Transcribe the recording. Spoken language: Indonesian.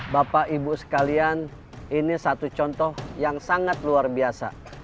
bapak ibu sekalian ini satu contoh yang sangat luar biasa